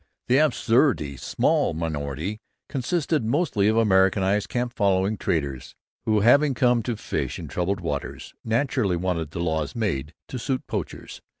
The absurdly small minority consisted mostly of Americanized camp following traders, who, having come to fish in troubled waters, naturally wanted the laws made to suit poachers.